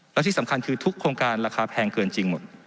และที่สำคัญคือทุกโครงการราคาแพงเกินจริงหมด